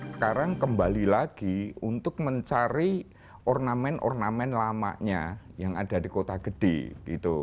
sekarang kembali lagi untuk mencari ornamen ornamen lamanya yang ada di kota gede gitu